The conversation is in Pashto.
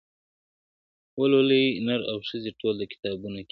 • ولولئ نر او ښځي ټول د کتابونو کیسې..